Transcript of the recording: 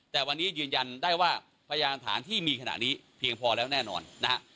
แต่วันนี้ยืนยันได้ว่าพยานฐานที่มีขณะนี้เพียงพอแล้วแน่นอนนะฮะ